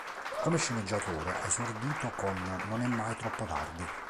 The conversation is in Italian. Come sceneggiatore ha esordito con "Non è mai troppo tardi".